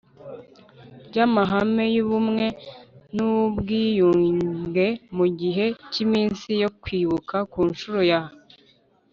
ry amahame y ubumwe n ubwiyunge mu gihe cy iminsi yo kwibuka ku nshuro ya